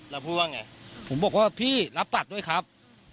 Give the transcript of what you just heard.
แล้วพูดว่าไงผมบอกว่าพี่รับตัดด้วยครับ